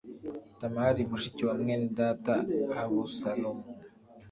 Tamari mushiki wa mwene data abusalomu